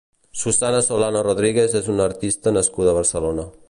Susana Solano Rodríguez és una artista nascuda a Barcelona.